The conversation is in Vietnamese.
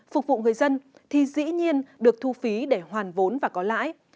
phục vụ người dân thì dĩ nhiên được thu phí để hoàn vốn và có lãi